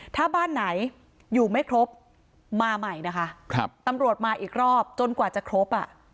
ถ้าบ้านไหนอยู่ไม่ครบมาใหม่นะคะครับตำรวจมาอีกรอบจนกว่าจะครบอ่ะ